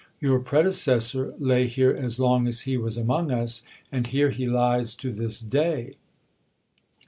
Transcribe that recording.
Your predecessor lay here as long as he was among us, and here he lies to this day.